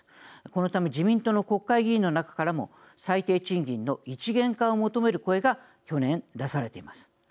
このため自民党の国会議員の中からも最低賃金の一元化を求める声が去年、出されています。